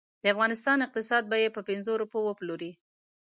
د افغانستان اقتصاد به یې په پنځو روپو وپلوري.